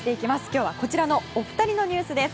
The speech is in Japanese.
今日はこちらのお二人のニュースです。